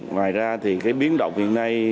ngoài ra thì cái biến động hiện nay